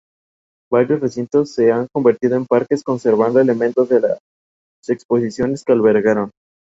Egresado de la Escuela de Teatro de la Universidad Finis Terrae.